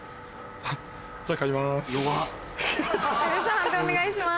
判定お願いします。